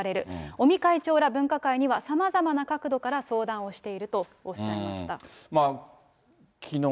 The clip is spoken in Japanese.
尾身会長ら分科会には、さまざまな角度から相談をしているとおっきのう